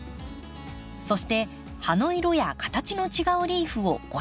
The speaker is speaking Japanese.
そして葉の色や形の違うリーフを５種類。